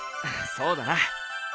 そうだな。